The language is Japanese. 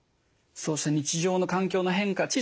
そうした日常の環境の変化